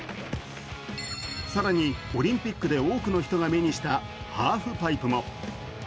更に、オリンピックで多くの人が目にしたハーフパイプも。